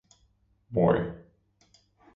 Voy.